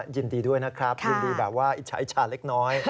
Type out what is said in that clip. ยินดีด้วยนะครับยินดีแบบว่าอิจฉาอิชาเล็กน้อย